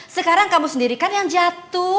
sekarang kamu sendiri kan yang jatuh